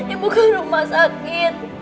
ibu ke rumah sakit